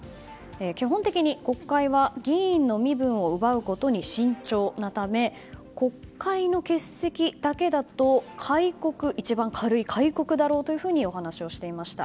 基本的に、国会は議員の身分を奪うことに慎重なため国会の欠席だけだと一番軽い戒告だろうというふうにお話をしていました。